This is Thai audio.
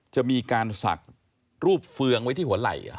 จะมีการศักดิ์รูปเฟืองไว้ที่หัวไหล่